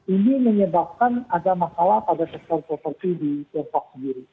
ini menyebabkan ada masalah pada sektor properti di tiongkok sendiri